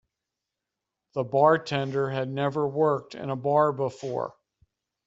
The bartender had never worked in a bar before